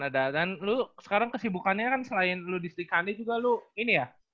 dan lu sekarang kesibukannya kan selain lu di sri kandi juga lu ini ya